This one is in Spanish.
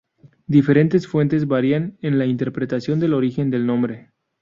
Diferentes fuentes varían en la interpretación del origen del nombre.